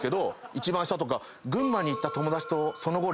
一番下とか。